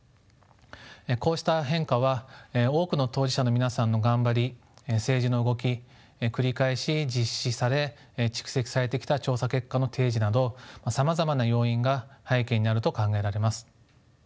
こうした変化は多くの当事者の皆さんの頑張り政治の動き繰り返し実施され蓄積されてきた調査結果の提示などさまざまな要因が背景にあると考えられます。